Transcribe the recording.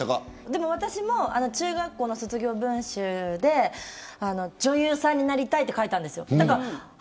でも私も中学校の卒業文集で女優さんになりたいと書いたんですよ。